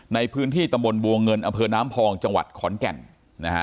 ในพื้นที่ตะมนต์บวงเงินอเผือน้ำพองจังหวัดขอนแก่นนะฮะ